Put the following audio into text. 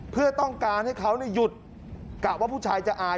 เพื่อต้องการให้เขาหยุดกะว่าผู้ชายจะอาย